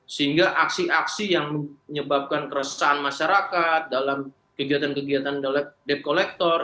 sehingga aksi aksi yang menyebabkan keresahan masyarakat dalam kegiatan kegiatan debt collector